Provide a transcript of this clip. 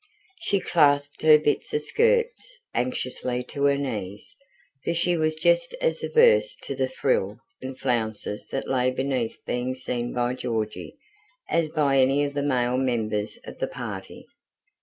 She clasped her bits of skirts anxiously to her knees, for she was just as averse to the frills and flounces that lay beneath being seen by Georgy, as by any of the male members of the party.